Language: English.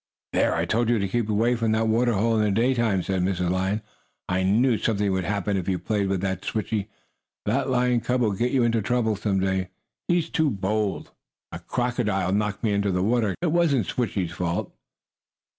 "There! I told you to keep away from the water hole in the daytime!" said Mrs. Lion. "I knew something would happen if you played with that Switchie. That lion cub will get into trouble some day. He is too bold!" "A crocodile knocked me into the water," explained Nero. "It wasn't Switchie's fault."